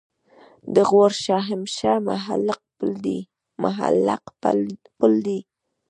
د غور شاهمشه معلق پل دی